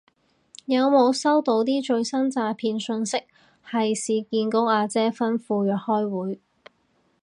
有冇收到啲最新詐騙訊息係市建局阿姐吩咐約開會